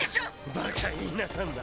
バカ言いなさんな。